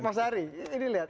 mas ari ini lihat